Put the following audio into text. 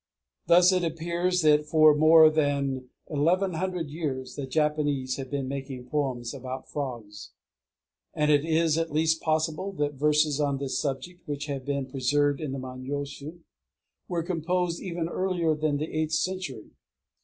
II Thus it appears that for more than eleven hundred years the Japanese have been making poems about frogs; and it is at least possible that verses on this subject, which have been preserved in the Manyōshū, were composed even earlier than the eighth century.